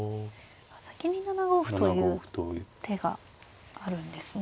先に７五歩という手があるんですね。